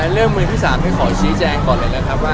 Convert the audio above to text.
เรื่องมือที่๓ให้ขอชี้แจงก่อนเลยนะครับว่า